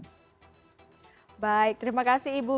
baik terima kasih ibu